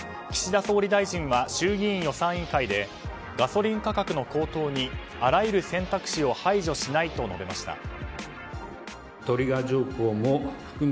岸田総理大臣は衆議院予算委員会でガソリン価格の高騰にあらゆる選択肢を排除しないと述べました。